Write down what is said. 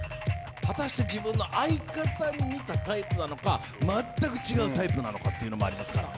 果たして自分の相方に似たタイプなのかまったく違うタイプなのかっていうのもありますから。